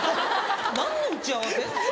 何の打ち合わせ？